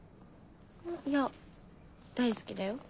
いや大好きだよ。